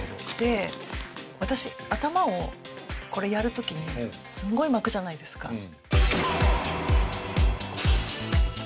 で私頭をこれやる時にすごい巻くじゃないですか。